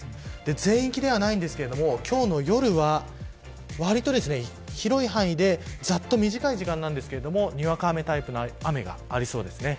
全域ではないですが、今日の夜は割と広い範囲でざっと短い時間ですがにわか雨タイプの雨がありそうですね。